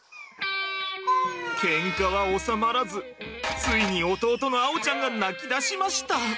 ケンカはおさまらずついに弟の碧ちゃんが泣きだしました。